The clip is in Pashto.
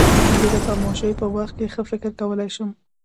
زه د خاموشۍ په وخت کې ښه فکر کولای شم.